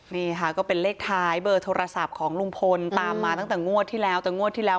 นี่ค่ะก็เป็นเลขท้ายเบอร์โทรศัพท์ของลุงพลตามมาตั้งแต่งวดที่แล้ว